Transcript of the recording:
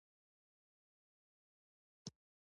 زما حالت د هغه زده کونکي په څېر وو، چي له ښوونځۍ نه تللی.